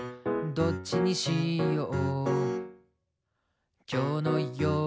「どっちにしよう？」